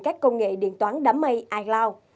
các công nghệ điện toán đám mây icloud